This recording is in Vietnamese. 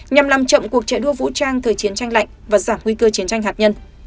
nhằm làm chậm cuộc chạy đua vũ trang thời chiến tranh lạnh và giảm nguy cơ chiến tranh hạt nhân